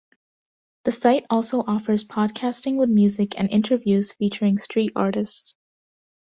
The site also offers podcasting with music and interviews featuring street artists.